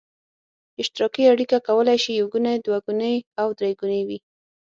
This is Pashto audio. اشتراکي اړیکه کولای شي یو ګونې، دوه ګونې او درې ګونې وي.